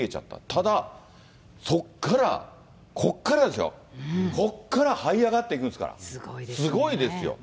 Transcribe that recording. ただ、そこからここからですよ、ここからはい上がっていくんですから、すごいですよ。